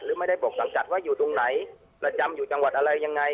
ไม่ได้บอกสังกัดว่าอยู่ตรงไหนประจำอยู่จังหวัดอะไรยังไง